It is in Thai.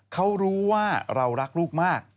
เขารู้ว่าเรารักลูกมาก